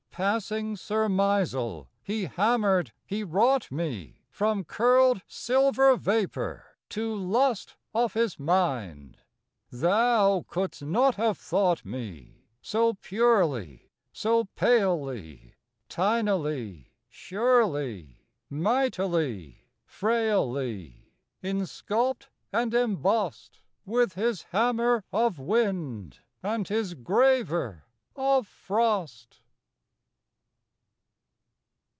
Passing surmisal, He hammered, He wrought me, From curled silver vapour, To lust of His mind: Thou could'st not have thought me! So purely, so palely, Tinily, surely, Mightily, frailly, Insculped and embossed, With His hammer of wind, And His graver of frost."